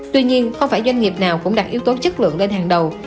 tuy nhiên không phải doanh nghiệp nào cũng đặt yếu tố chất lượng lên hàng đầu